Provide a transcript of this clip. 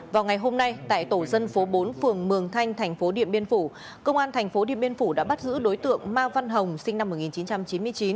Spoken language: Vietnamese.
vào ngày hôm nay tại tổ dân phố bốn phường mường thanh thành phố điện biên phủ công an thành phố điện biên phủ đã bắt giữ đối tượng ma văn hồng sinh năm một nghìn chín trăm chín mươi chín